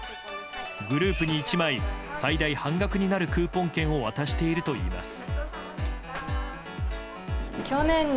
グループ１枚最大半額になるクーポン券を渡しているといいます。